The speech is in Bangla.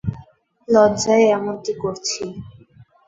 লজ্জায় এমনটি করছি।